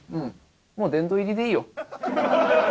もう、殿堂入りでいいよ。